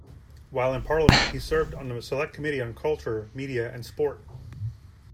While in Parliament he served on the Select Committee on Culture, Media and Sport.